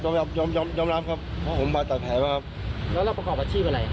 แล้วเราก็ประกอบอาชีพอะไร